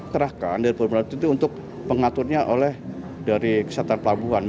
terakan dari pelabuhan itu untuk pengaturnya oleh dari kesehatan pelabuhan